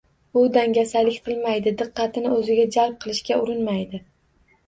U dangasalik qilmaydi, diqqatni o‘ziga jalb qilishga urinmaydi